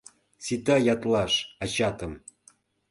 Сита ятлаш ачатым.